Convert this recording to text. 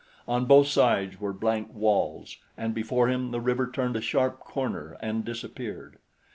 On both sides were blank walls and before him the river turned a sharp corner and disappeared.